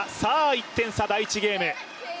１点差、第１ゲーム。